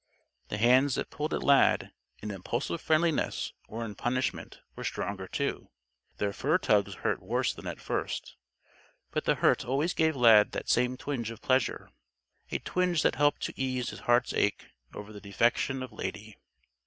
The hands that pulled at Lad, in impulsive friendliness or in punishment, were stronger, too. Their fur tugs hurt worse than at first. But the hurt always gave Lad that same twinge of pleasure a twinge that helped to ease his heart's ache over the defection of Lady.